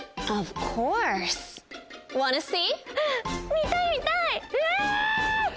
見たい見たい！